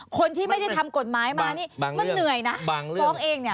คนที่ไม่ได้ทำกฎหมายมานี่มันเหนื่อยนะฟ้องเองเนี่ย